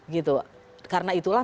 gitu karena itulah